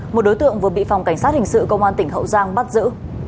một đối tượng vừa bị phòng cảnh sát hình sự công an tỉnh hậu giang bắt giữ